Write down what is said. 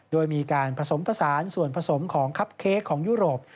โดยมีการผสมผสานส่วนผสมของคับเค้กของยุโรป